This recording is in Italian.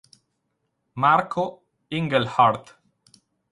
Marco Engelhardt